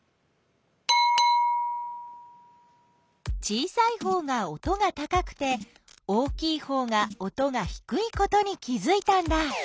小さいほうが音が高くて大きいほうが音がひくいことに気づいたんだ。